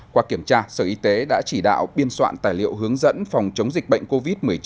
qua kiểm tra sở y tế đã chỉ đạo biên soạn tài liệu hướng dẫn phòng chống dịch bệnh covid một mươi chín